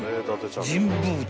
神保町］